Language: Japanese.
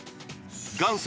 元祖